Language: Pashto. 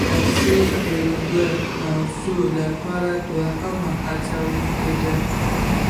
پیسې د یوې موضوع لپاره دوهمي هڅوونکي دي.